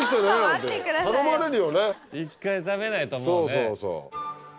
そうそうそう。